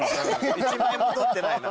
１枚も撮ってないな。